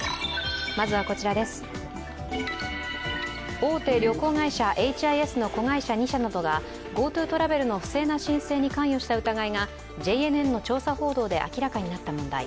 大手旅行会社エイチ・アイ・エスの子会社２社などがＧｏＴｏトラベルの不正な申請に関与した疑いがＪＮＮの調査報道で明らかになった問題。